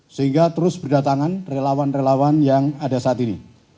sehingga terus berdatangan relawan relawan yang ada saat ini